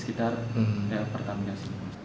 sekitar pertambungan sini